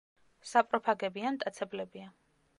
საპროფაგები ან მტაცებლებია.